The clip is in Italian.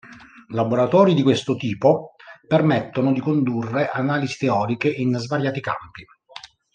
Laboratori di questo tipo permettono di condurre analisi teoriche in svariati campi.